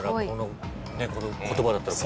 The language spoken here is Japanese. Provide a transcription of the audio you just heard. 言葉だったら。